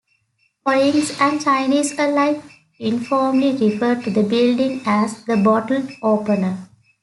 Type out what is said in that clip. Foreigners and Chinese alike informally refer to the building as "the bottle opener".